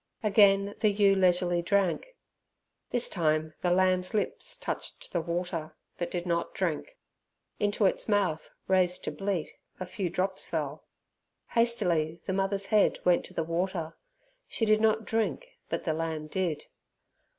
Again the ewe leisurely drank. This time the lamb's lips touched the water, but did not drink. Into its mouth raised to bleat a few drops fell. Hastily the mother's head went to the water. She did not drink, but the lamb did.